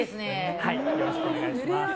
よろしくお願いします。